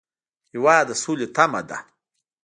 هېواد د سولې تمه ده.